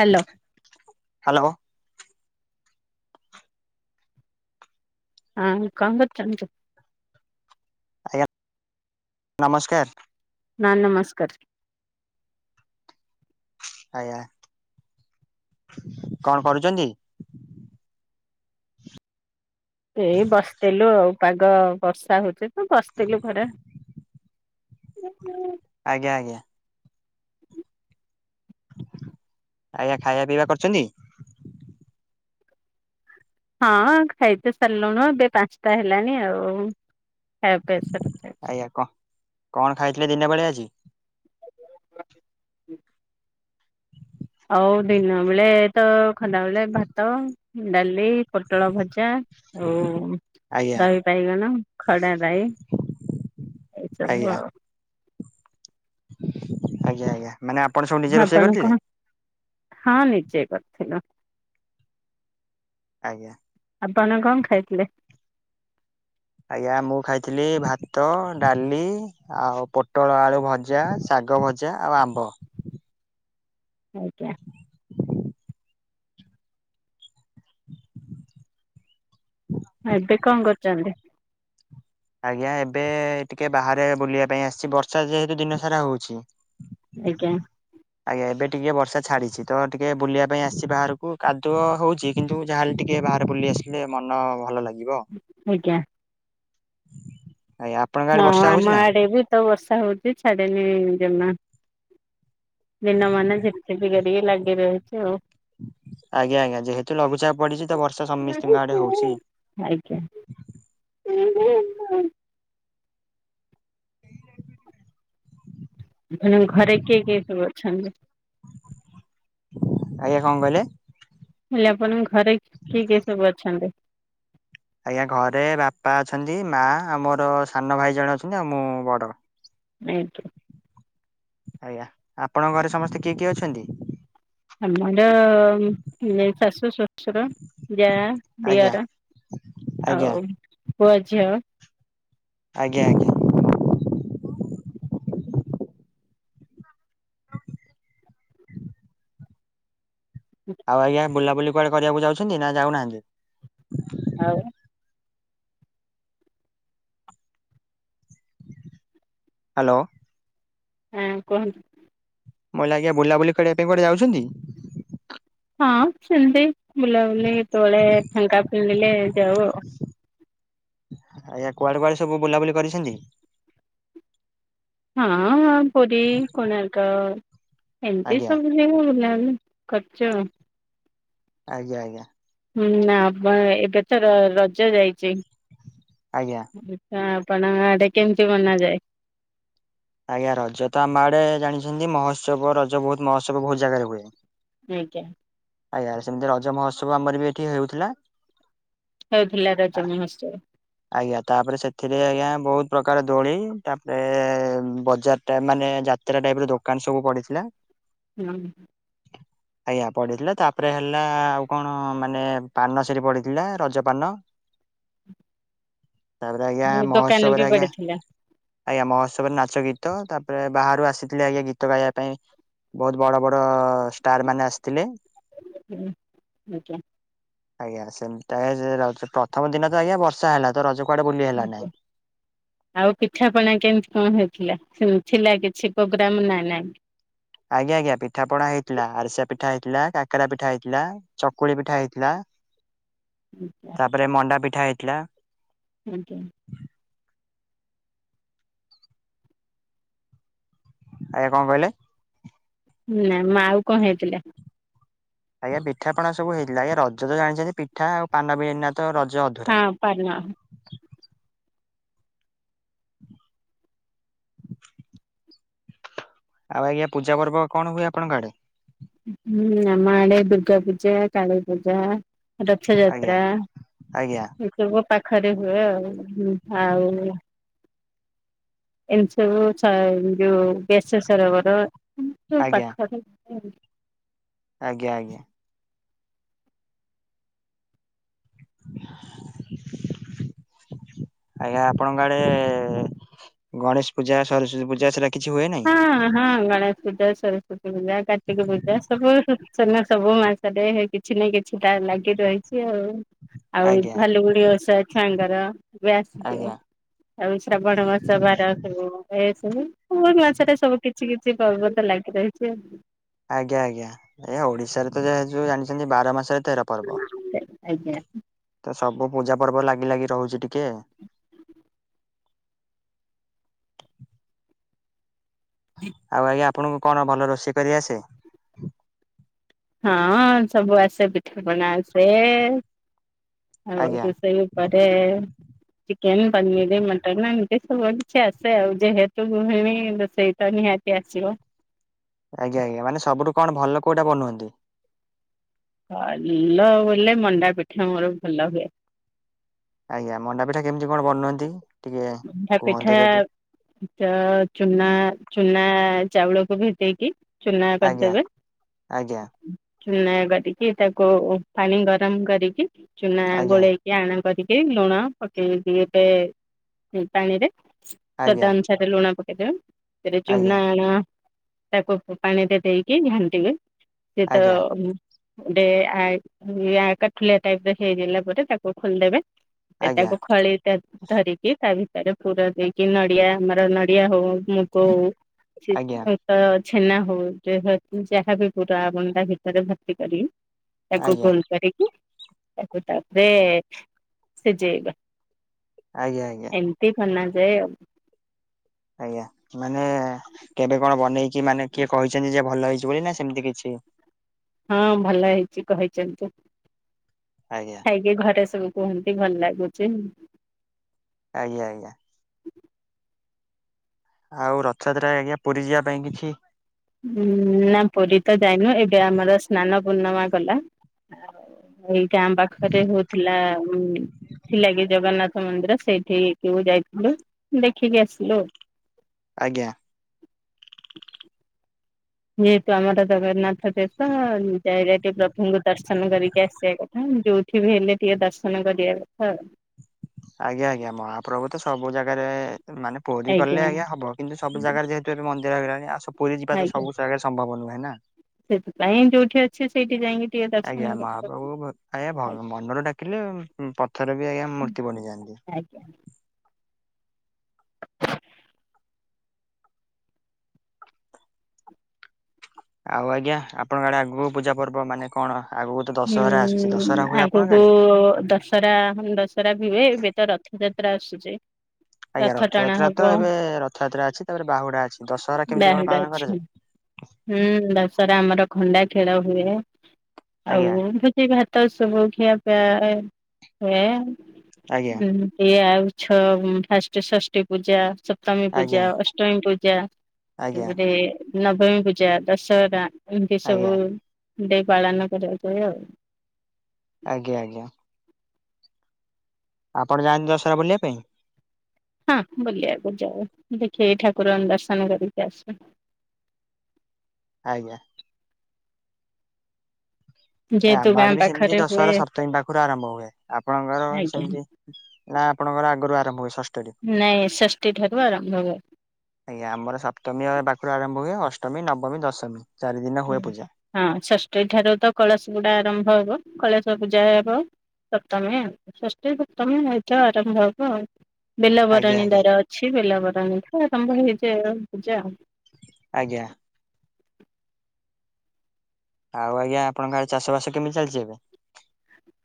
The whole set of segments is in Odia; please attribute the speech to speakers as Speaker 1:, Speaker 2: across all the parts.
Speaker 1: ହାଲୋ।
Speaker 2: ହ୍ୟାଲୋ।
Speaker 1: ଆଁ କଁ କରୁଚନ୍ତି?
Speaker 2: ଆଜ୍ଞା ନମସ୍କାର।
Speaker 1: ନାଁ ନମସ୍କାର।
Speaker 2: ଆଜ୍ଞା କଣ କରୁଚନ୍ତି?
Speaker 1: ଏଇ ବସିଥିଲୁ ଆଉ ପାଗ ବର୍ଷା ହଉଚି ତ ବସିଥିଲୁ ଘରେ।
Speaker 2: ଆଜ୍ଞା ଆଜ୍ଞା। ଆଜ୍ଞା ଖାଇବା ପିଇବା କରଚନ୍ତି?
Speaker 1: ହଁ ଖାଇତ ସାରଲୁଣୁ ଏବେ ପାଞ୍ଚଟା ହେଲାଣି ଆଉ। ଖାଇବା ପିଇବା ସରିଯାଇଚି।
Speaker 2: ଏୟା କ କଣ ଖାଇଥିଲେ ଦିନ ବେଳେ ଆଜି?
Speaker 1: ଆଉ ଦିନ ବେଳେ ତ ଖନ୍ଦାବେଳେ ଭାତ ଡାଲି ପୋଟଳ ଭଜା ଆଉ
Speaker 2: ଆଜ୍ଞା
Speaker 1: ଦହି ବାଇଗଣ ଖଡା ରାଇ। ଏଇ ସବୁ
Speaker 2: ଆଜ୍ଞା
Speaker 1: ଆଉ।
Speaker 2: ଆଜ୍ଞା ଆଜ୍ଞା। ମାନେ ଆପଣ ଶୁଣ
Speaker 1: ଆପଣ କଣ ହଁ ନିଜେ କରିଥିଲୁ।
Speaker 2: ଆଜ୍ଞା।
Speaker 1: ଆପଣ କଁ ଖାଇଥିଲେ?
Speaker 2: ଆଜ୍ଞା ମୁଁ ଖାଇଥିଲି ଭାତ ଡାଲି। ଆଉ ପୋଟଳ ଆଳୁ ଭଜା, ଶାଗ ଭଜା ଆଉ ଆମ୍ବ।
Speaker 1: ଆଜ୍ଞା। ଆ ଏବେ କଁ କରଚନ୍ତି?
Speaker 2: ଆଜ୍ଞା ଏବେ ଟିକେ ବାହାରେ ବୁଲିବା ପାଇଁ ଆସିଚି ବର୍ଷା ଯେହେତୁ ଦିନ ସାରା ହଉଚି।
Speaker 1: ଆଜ୍ଞା।
Speaker 2: ଆଜ୍ଞା ଏବେ ଟିକେ ବର୍ଷା ଛାଡିଚି ତ ଟିକେ ବୁଲିବା ପାଇଁ ଆସିଚି ବାହାରକୁ କାଦୁଅ ହଉଚି। କିନ୍ତୁ ଯାହାହେଲେ ଟିକେ ବାହାରେ ବୁଲି ଆସିଲେ ମନ ଭଲ ଲାଗିବ।
Speaker 1: ଆଜ୍ଞା।
Speaker 2: ଆୟା
Speaker 1: ହଁ ଆମ ଆଡ଼େ ବି ତ ବର୍ଷା ହଉଚି ଛାଡିନି ଜମା। ଦିନ ମାନେ ଝିପି ଝିପି କରିକି ଲାଗି ରହିଚି ଆଉ।
Speaker 2: ଆଜ୍ଞା ଆଜ୍ଞା ଯେହେତୁ ଲଘୁଚାପ ପଡିଚି ତ ବର୍ଷା ସମିସ୍ତିଙ୍କ ଆଡେ ହଉଚି।
Speaker 1: ଆଜ୍ଞା, [unintelligible] ଆପଣଙ୍କ ଘରେ କିଏ କିଏ ସବୁ ଅଛନ୍ତି?
Speaker 2: ଆଜ୍ଞା କଁ କହିଲେ?
Speaker 1: ହେଲେ ଆପଣଙ୍କ ଘରେ କିଏ କିିଏ ସବୁ ଅଛନ୍ତି?
Speaker 2: ଆଜ୍ଞା ଘରେ ବାପା ଅଛନ୍ତି, ମା ଆ ମୋର ସାନ ଭାଇ ଜଣେ ଅଛନ୍ତି, ଆଉ ମୁଁ ବଡ।
Speaker 1: ଆଜ୍ଞା।
Speaker 2: ଆଜ୍ଞା ଆପଣଙ୍କ ଘରେ ସମସ୍ତେ କିଏ କିଏ ଅଛନ୍ତି?
Speaker 1: ଆମର [inaudible] ଶାଶୁ ଶ ସୁର ଜାଆ
Speaker 2: ଆଜ୍ଞା
Speaker 1: ଦିଅର
Speaker 2: ଆଜ୍ଞା ଆଜ୍ଞା
Speaker 1: ଆଉ ପୁଅ ଝିଅ।
Speaker 2: ଆଜ୍ଞା ଆଜ୍ଞା। ଆ [unintelligible] ଆଉ ଆଜ୍ଞା ବୁଲାବୁଲି କୁଆଡେ କରିଆକୁ ଯାଉଛନ୍ତି ନା ଯାଉନାହାନ୍ତି?
Speaker 1: ଆଉ।
Speaker 2: ହାଲୋ।
Speaker 1: ହଁ କୁହନ୍ତୁ।
Speaker 2: [unintelligible] ଆଜ୍ଞା ବୁଲାୁଲି କରିଆ ପାଇଁ କଆଡେ ଯାଉଚନ୍ତି?
Speaker 1: ହଁ ସେମ୍ତି ବୁଲାବୁଲି ତଳେ ଫାଙ୍କା ଫିଣିଲେ ଯାଉ ଆଉ।
Speaker 2: ଆଜ୍ଞା କୁଆଡେ-କୁଆଡେ ସବୁ ବୁଲାବୁଲି କରିଚନ୍ତି?
Speaker 1: ହଁ-ହଁ ପୁରୀ, କୋଣାର୍କ କ ଏମ୍ତି
Speaker 2: ଆଜ୍ଞା
Speaker 1: ସବୁ। [unintelligible] ଖର୍ଚ୍ଚ।
Speaker 2: ଆଜ୍ଞା-ଆଜ୍ଞା।
Speaker 1: ହୁଁ ନା ବା ଏବେ ତ ରଜ ଯାଇଚି।
Speaker 2: ଆଜ୍ଞା।
Speaker 1: ପିଠା ପଣା [unintelligible] କେମ୍ତି ବନାଯାଏ?
Speaker 2: ଆଜ୍ଞା ରଜ ତ ଆମ ଆଡେ ଜାଣିଚନ୍ତି ମହୋତ୍ସବ ରଜ ବହୁତ୍ ମହୋତ୍ସବ ବହୁତ୍ ଜାଗାରେ ହୁଏ।
Speaker 1: ଆଜ୍ଞ।
Speaker 2: ଆଜ୍ଞା ସେମ୍ତି ରଜ ମହୋତ୍ସବ ଆମର ବି ଏଠି ହେଉଥିଲା।
Speaker 1: ହେଉଥିଲା ରଜ ମହୋତ୍ସବ।
Speaker 2: ଆଜ୍ଞା ତାପରେ ସେଥିରେ ଆଜ୍ଞା ବହୁତ୍ ପ୍ରକାର ଦୋଳି ତାପରେ ବଜାରଟା ମାନେ ଯାତ୍ରା ଟାଇପ୍ ର ଦୋକାନ୍ ସବୁ ପଡିଥିଲା।
Speaker 1: [unintelligible]
Speaker 2: ଆଜ୍ଞା ପଡିିଥିଲା ତାପରେ ହେଲା ଆଉ କଣ ମାନେ ପାନ ସେଠି ପଡିଥିଲା ରଜ ପାନ ତାପରେ ଆଜ୍ଞା
Speaker 1: ହୁଁ ଦୋକାନ
Speaker 2: ମହୋତ୍ସବରେ
Speaker 1: ବି
Speaker 2: ଆଜ୍ଞା
Speaker 1: ପଡିଥିଲା।
Speaker 2: ଆଜ୍ଞା ମହୋତ୍ସବରେ ନାଚ ଗୀତ ତାପରେ ବାହାରୁ ଆସିଥିଲେ ଆଜ୍ଞା ଗୀତ ଗାଇବା ପାଇଁ ବହୁତ୍ ବଡ-ବଡ ଷ୍ଟାର୍ ମାନେ ଆସିଥିଲେ।
Speaker 1: [unintelligible] ଆଜ୍ଞା।
Speaker 2: ଆଜ୍ଞା [unintelligible] ପ୍ରଥମ ଦିନ ତ ଆଜ୍ଞା ବର୍ଷା ହେଲା ତ ରଜ କୁଆଡେ ବୁଲି ହେଲା ନାହିଁ।
Speaker 1: ଆଉ ପିଠାପଣା କେମ୍ତି କଣ ହେଇଥିଲା ଥିଲା କିଛି ପ୍ରୋଗ୍ରାମ୍ ନା ନାଇଁ?
Speaker 2: ଆଜ୍ଞା-ଆଜ୍ଞା ପିଠା ପଣା ହେଇଥିଲା ଆରିସା ପିଠା ହେଇଥିଲା କାକେରା ପିଠା ହେଇଥିଲା ଚକୁଳି ପିଠା ହେଇଥିଲା
Speaker 1: [inaudible]
Speaker 2: ତାପରେ ମଣ୍ଡା ପିଠା ହେଇଥିଲା।
Speaker 1: ଆଜ୍ଞା।
Speaker 2: ଆଜ୍ଞା କଣ କହିଲେ?
Speaker 1: ନା ମା ଆଉ କଣ ହେଇଥିଲା?
Speaker 2: ଆଜ୍ଞା ପିଠାପଣା ସବୁ ହେଇଥିଲା ଆଜ୍ଞା ରଜ ତ ଜାଣିଚନ୍ତି ପିଠା ଆଉ ପାନ ବିନା ତ ରଜ ଅଧୁରା
Speaker 1: ହଁ ପାନ।
Speaker 2: ଆଉ ଆଜ୍ଞା ପୂଜା ପର୍ବ କଣ ହୁଏ ଆପଣଙ୍କ ଆଡେ?
Speaker 1: ହୁଁ ଆମ ଆଡେ ଦୁର୍ଗାପୂଜା, କାଳୀପୂଜା
Speaker 2: ଆଜ୍ଞା
Speaker 1: ରଥଯାତ୍ରା
Speaker 2: ଆଜ୍ଞା
Speaker 1: ସବୁ ପାଖରେ ହୁଏ ଆଉ [unintelligible] ଏମ୍ତି ସବୁ [unintelligible] ଯୋଉ ବେଶେଷ ରହିବ ତ ଏମ୍ତି ସବୁ ପାଖରେ
Speaker 2: ଆଜ୍ଞା-ଆଜ୍ଞା। ଆଜ୍ଞା ଆପଣଙ୍କ ଆଡେ ଗଣେଶ ପୂଜା, ସରସ୍ୱତୀ ପୂଜା ସେରା କିଛି ହୁଏ ନି?
Speaker 1: ହଁ ହଁ ଗଣେଶ ପୂଜା, ସରସ୍ଵତୀ ପୂଜା, କାର୍ତ୍ତିକ ପୂଜା ସବୁ ସିନା ସବୁ ମାସରେ ହେଇକି କିଛି ନା କିଛିଟା ଲାଗି ରହିଛି ଆଉ। ଆଉ
Speaker 2: ଆଜ୍ଞା
Speaker 1: ଭାଲୁକିଣି ଓଷା ଛୁଆଙ୍କର ଏବେ
Speaker 2: ଆଜ୍ଞା
Speaker 1: ଆସିଯିବ। ଆଉ ଶ୍ରାବଣ ମାସ ବାର ସବୁ ହୁଏ ସବୁ [unintelligible] ସେଟା ସବୁ କିଛି କିଛି ପର୍ବ ତ ଲାଗି ରହିଛି ଆଉ।
Speaker 2: ଆଜ୍ଞା ଆଜ୍ଞା ଏ ଓଡିଶାରେ ତ ଯାହା ଯୋଉ ଜାଣିଛନ୍ତି ବାର ମାସରେ ତେର ପର୍ବ।
Speaker 1: [unintelligible] ଆଜ୍ଞା।
Speaker 2: ତ ସବୁ ପୂଜା ପର୍ବ ଲାଗି ଲାଗି ରହୁଛି ଟିକେ।
Speaker 1: [unintelligible]
Speaker 2: ଆଉ ଭାଇ ଆପଣଙ୍କୁ କଣ ଭଲ ରୋଷେଇ କରି ଆସେ?
Speaker 1: ହଁ ସବୁ ଆସେ ପିଠାପଣା ଆସେ ଆଉ
Speaker 2: ଆଜ୍ଞା
Speaker 1: ରୋଷେଇ କରେ ଚିକେନ୍, ପନିରୀ, ମଟନ ଏମିତି ସବୁ କିଛି ଆସେ ଆଉ। ଯେହେତୁ ଗୃହିଣୀ ରୋଷଇ ତ ନିହାତି ଆସିବ।
Speaker 2: ଆଜ୍ଞା ଆଜ୍ଞା ମାନେ ସବୁଠୁ କଣ ଭଲ କୋଉଟା ବନୁଅନ୍ତି?
Speaker 1: ଭଲ ବୋଲେ ମଣ୍ଡା ପିଠା ମୋର ଭଲ ହୁଏ।
Speaker 2: ଆଜ୍ଞା। ମଣ୍ଡାପିଠା କେମିତି କଣ ବନୁଅନ୍ତି? ଟିକେ
Speaker 1: ମଣ୍ଡାପିଠା
Speaker 2: କୁହନ୍ତୁ ଯଦି?
Speaker 1: ତ ଚୁନା ଚୁନା ଚାଉଳ କୁ ଭେଦେଇ କି ଚୁନା
Speaker 2: ଆଜ୍ଞା
Speaker 1: କରିଦେବେ।
Speaker 2: ଆଜ୍ଞା
Speaker 1: ଚୁନା କରିକି ତାକୁ ପାଣି ଗରମ କରିକି ଚୁନା
Speaker 2: ଆଜ୍ଞା
Speaker 1: ଗୋଳେଇକି ଟିକେ ଆଣ କରିକି ଲୁଣ ପକେଇକି ଗୋଟେ ସେ ପାଣିରେ ସ୍ଵାଦ
Speaker 2: ଆଜ୍ଞା
Speaker 1: ଅନୁସାରେ ଲୁଣ ପକେଇ ଦେବେ। ସେରେ
Speaker 2: ଆଜ୍ଞା
Speaker 1: ଚୁନା ଆଣ ତାକୁ ପାଣି ରେ ଦେଇକି ଘାଣ୍ଟିବେ। ସେଏ ତ
Speaker 2: ଆଜ୍ଞା
Speaker 1: ଡେ ଆଇ କଠୁଆ ଟାଇପ ହେଇଗଲେ ପରେ ତାକୁ ଖୋଲିଦେବେ।
Speaker 2: ଆଜ୍ଞା ଆଜ୍ଞା
Speaker 1: ସେଟାକୁ ଖଳି ଟା ଧରିକି କି ତା ଭିତରେ ପୁର ଦେଇକି ନଡିଆ ଆମର ନଡିଆ ହଉ, ମୁଗ
Speaker 2: ଆଜ୍ଞା
Speaker 1: ହଉ ତ ଛେନା ହଉ ଯାହ ଯାହାବି ପୁର ମଣ୍ଡା ଭିତରେ ଭର୍ତ୍ତି କରି ତାକୁ
Speaker 2: ଆଜ୍ଞା
Speaker 1: ଗୋଲ କରିକି ତାକୁ ତାପରେ ସିଜେଇବେ।
Speaker 2: ଆଜ୍ଞା ଆଜ୍ଞା।
Speaker 1: ଏମିତି ବନା ଯାଏ ଆଉ।
Speaker 2: ଆଜ୍ଞା ମାନେ କେବେ କଣ ବନେଇକି ମାନେ କିଏ କହିଛନ୍ତି ଯେ ଭଲ ହେଇଛି ବୋଲି ନା ସେମିତି କିଛି
Speaker 1: ହଁ ଭଲ ହେଇଚି କହିଛନ୍ତି।
Speaker 2: ଆଜ୍ଞା।
Speaker 1: ଖାଇକି ଘରେ ସବୁ କୁହନ୍ତି ଭଲ ଲାଗୁଛି।
Speaker 2: ଆଜ୍ଞା ଆଜ୍ଞା। ଆଉ ରଥଯାତ୍ରା ଆଜ୍ଞା ପୁରୀ ଯିବା ପାଇଁ କିଛି
Speaker 1: ନା ପୁରୀ ତ ଯାଇନୁ। ଏବେ ଆମର ସ୍ନାନ ପୂର୍ଣ୍ଣମା ଗଲା। ଆଉ ଏଇ ଗାଁ ପାଖରେ ହଉଥିଲା ଉ ଥିଲା କି ଜଗନ୍ନାଥ ମନ୍ଦିର ସେଇଠି ଠିକୁ ଯାଇଥିଲୁ ଦେଖିକି ଆସିଲୁ।
Speaker 2: ଆଜ୍ଞା।
Speaker 1: ଯେହେତୁ ଆମର ଜଗନ୍ନାଥ ଦେବ ଯାଇଲେ ଟିକେ ପ୍ରଭୁଙ୍କୁ ଦର୍ଶନ କରିକି ଆସିବା କଥା। ଯୋଉ କେବେ ହେଲେ ଟିଏ ଦର୍ଶନ କରିବା କଥା ଆଉ।
Speaker 2: ଆଜ୍ଞା ଆଜ୍ଞା ମହାପ୍ରଭୁ ତ ସବୁ ଜାଗାରେ ମାନେ ପୁରୀ ଗଲେ ଆଜ୍ଞା ହବ କିନ୍ତୁ ସବୁ ଜାଗାରେ ଯେହେତୁ ଏବେ ମନ୍ଦିର ହେଇଲାଣି ଆସ ପୁରୀ ଯିବା ତ
Speaker 1: ଆଜ୍ଞା
Speaker 2: ସବୁ ଜାଗାରେ ସ ସମ୍ଭାବ ନୁହେଁ ନାଁ।
Speaker 1: ସେଥିପାଇଁ ଯୋଉଠି ଅଛି ସେଇଠି ଯାଇଁକି ଟିକେ
Speaker 2: ଆଜ୍ଞା
Speaker 1: ଦର୍ଶନ କରିଦବା।
Speaker 2: ମହାପ୍ରଭୁ ଆଜ୍ଞା ଭ ମନରୁ ଡାକିଲେ ଉଁ ପଥର ବି ଆଜ୍ଞା ମୂର୍ତ୍ତି ବନିଯାଆନ୍ତି।
Speaker 1: ଇହାନି
Speaker 2: ଆଉ ଆଜ୍ଞା ଆପଣଙ୍କ ଆଡ଼େ ଆଗୁକୁ ପୂଜା ପର୍ବ ମାନେ କଣ ଆଗୁକୁ
Speaker 1: ହୁଁ ଆଗୁକୁ ଦଶ୍ ଶରା ମାନେ ଦଶରା ବି ହୁଏ ଏବେ ତ ରଥଯାତ୍ରା ଆସୁଚି।
Speaker 2: ଆଜ୍ଞା ରଥଯାତ୍ରା ତ ଏବେ ରଥଯାତ୍ରା ଅଛି ତାପରେ ବାହୁଡ଼ା ଅଛି। ଦଶହରା କେମିତି କଣ
Speaker 1: ବାହୁଡା
Speaker 2: ପାଳନ
Speaker 1: ଅଛି।
Speaker 2: କରାଯାଏ?
Speaker 1: ହୁଁ ଦଶରା ଆମର ଖଣ୍ଡା ଖେଳ ହୁଏ। ଆଉ
Speaker 2: ଆଜ୍ଞା
Speaker 1: ଭୋଜି ଭାତ ସବୁ ଖିଆ ପିଆ ଏ ହୁଏ।
Speaker 2: ଆଜ୍ଞା
Speaker 1: ଉଁ ହୁଁ ଇଏ ଆଉ ଛଅ ଫାଷ୍ଟେ ଷଷ୍ଠୀ ପୂଜା ସପ୍ତମୀ
Speaker 2: ଆଜ୍ଞା
Speaker 1: ପୂଜା ଅଷ୍ ଟଇଁ ପୂଜା
Speaker 2: ଆଜ୍ଞା
Speaker 1: ତାପରେ ନବମୀ ପୂଜା ଦଶହରା ଏମତି ସବୁ
Speaker 2: ଆଜ୍ଞା
Speaker 1: ଦେ ପାଳନ କରାଯାଏ ଆଉ।
Speaker 2: ଆଜ୍ଞା ଆଜ୍ଞା। ଆପଣ ଯାଆନ୍ତି ଦଶହରା ବୁଲିବା ପାଇଁ?
Speaker 1: ହଁ ବୁଲିବାକୁ ଯାଉ ଦେଖିକି ଠାକୁରଙ୍କ ଦର୍ଶନ କରିକି ଆସୁ।
Speaker 2: ଆଜ୍ଞା। ଏ
Speaker 1: ଯେହେତୁ
Speaker 2: ଆମ
Speaker 1: ଗାଁ
Speaker 2: ଆଡ଼େ ବି ସେମିତି
Speaker 1: ପାଖରେ ହୁଏ।
Speaker 2: ଦଶହରା ସପ୍ତମୀ ପାଖୁରୁ ଆରମ୍ଭ ହୁଏ ଆପଣଙ୍କର
Speaker 1: ଆଜ୍ଞା
Speaker 2: ସେମିତି ନାଁ ଆପଣଙ୍କର ଆଗରୁ ଆରମ୍ଭ ହୁଏ ଷଷ୍
Speaker 1: ନାଇଁ ଷଷ୍ଠୀ ଠାରୁ ଆରମ୍ଭ ହୁଏ।
Speaker 2: ଆଜ୍ଞା ଆମର ସପ୍ତମୀ ଆଉ ଏ ପାଖୁରୁ ଆରମ୍ଭ ହୁଏ ଅଷ୍ଟମୀ ନବମୀ ଦଶମୀ ଚାରି ଦିନ ହୁଏ ପୂଜା।
Speaker 1: ହଁ ଷଷ୍ଠୀ ଠାରୁ ତ କଳସ ବୁଡା ଆରମ୍ଭ ହବ କଳସ ପୂଜା ହେବ। ସପ୍ତମୀ ଷଷ୍ଠୀ ସପ୍ତମୀ ଏଇଥ ଆରମ୍ଭ ହବ ଆଉ।
Speaker 2: ଆଜ୍ଞା
Speaker 1: ବେଲବରଣୀ
Speaker 2: ଆଜ୍ଞା
Speaker 1: ଦାର ଅଛି ବେଲବରଣୀଠୁ ଆରମ୍ଭ ହେଇଯାଏ ଆଉ ପୂଜା।
Speaker 2: ଆଜ୍ଞା। ଆଉ ଆଜ୍ଞା ଆପଣ ଆଡ଼େ ଚାଷ ବାସ କେମି ଚାଲିଚି ଏବେ?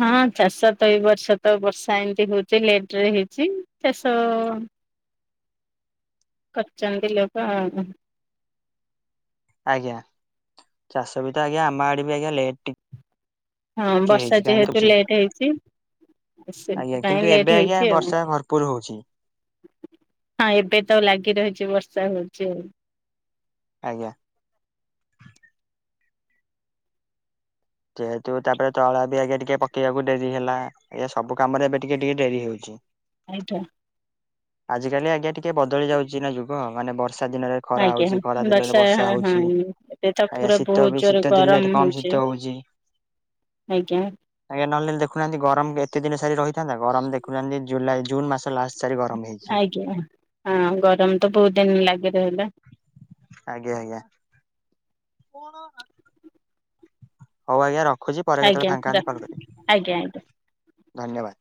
Speaker 1: ହଁ ଚାଷ ତ ଏଇ ବର୍ଷ ତ ବର୍ଷା ଏମିତି ହୋଉଚି ଲେଟରେ ହେଇଚି ଚାଷ କରଚନ୍ତି ଲୋଗ ଆଉ।
Speaker 2: ଆଜ୍ଞା ଚାଷ ବି ତ ଆଜ୍ଞା ଆମ ଆଡେ ବି ଆଜ୍ଞା ଲେଟି
Speaker 1: ହଁ ବର୍ଷା ଯେହେତୁ
Speaker 2: ହଉଛି
Speaker 1: ଲେଟ୍ ହେଇଚି ଏ
Speaker 2: ଆଜ୍ଞା
Speaker 1: ସେଇଥିପାଇଁ
Speaker 2: କିନ୍ତୁ
Speaker 1: ଲେଟ୍
Speaker 2: ଏବେ ଆଜ୍ଞା
Speaker 1: ହେଇଚି ଆଉ।
Speaker 2: ବର୍ଷା ଭରପୁର ହଉଛି।
Speaker 1: ହଁ ଏବେ ତ ଲାଗି ରହିଚି ବର୍ଷା ହୋଉଚି ଆଉ।
Speaker 2: ଆଜ୍ଞା। ଯେହେତୁ ତାପରେ ତଳା ବି ଆଜ୍ଞା ଟିକେ ପକେଇବାକୁ ଡେରି ହେଲା। ଇଏ ସବୁ କାମରେ ଏବେ ଟିକେ ଟିକେ ଡେରି ହେଉଚି।
Speaker 1: ଆଇଠା।
Speaker 2: ଆଜିକାଲି ଆଜ୍ଞା ଟିକେ ବଦଳି ଯାଉଚି ନା ଯୁଗ ମାନେ ବର୍ଷା ଦିନରେ ଖରା
Speaker 1: ଆଜ୍ଞା
Speaker 2: ହଉଛି
Speaker 1: ହଁ
Speaker 2: ଖରା ଦିନରେ
Speaker 1: ବର୍ଷା ହଁ ହଁ
Speaker 2: ହଉଛି।
Speaker 1: ଏଁ ଏବେ ତ
Speaker 2: ଆଜ୍ଞା
Speaker 1: ପୁରା
Speaker 2: ଶୀତ
Speaker 1: ବୋହୁତ
Speaker 2: ବି
Speaker 1: ଜୋରେ
Speaker 2: ଶୀତ ଦିନରେ
Speaker 1: ଗରମ
Speaker 2: କମ
Speaker 1: ହୋଉଚି।
Speaker 2: ଶୀତ ହଉଛି।
Speaker 1: ଆଜ୍ଞା।
Speaker 2: ଆଜ୍ଞା ନହେଲେ ଦେଖୁନାହାନ୍ତି ଗରମ ଏତେ ଦିନ ସାରି ରହିଥାନ୍ତା ଗରମ ଦେଖୁନାହାନ୍ତି ଜୁଲାଇ ଜୁନ୍ ମାସ ଅଲା ସାର
Speaker 1: ଆଜ୍ଞା ହଁ ଗରମ ତ ବହୁତ ଦିନ ଲାଗି ରହିଲା।
Speaker 2: ଆଜ୍ଞା ଆଜ୍ଞା। ହଉ ଆଜ୍ଞା ରଖୁଚି ପରେ କେତେବେଳେ
Speaker 1: ଆଜ୍ଞା
Speaker 2: ଫାଙ୍କା
Speaker 1: ର
Speaker 2: ହେଲେ କଲ୍
Speaker 1: ଆଜ୍ଞା
Speaker 2: କରିବି।
Speaker 1: ଆଜ୍ଞା।
Speaker 2: ଧନ୍ୟବାଦ।